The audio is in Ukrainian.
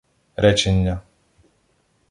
Речення